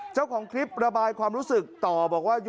เจ้าของคลิประบายความรู้สึกต่อบอกว่า